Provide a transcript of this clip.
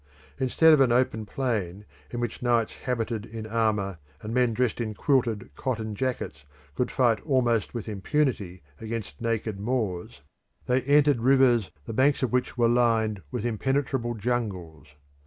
Instead of an open plain in which knights habited in armour and men dressed in quilted cotton jackets could fight almost with impunity against naked Moors, they entered rivers the banks of which were lined with impenetrable jungles.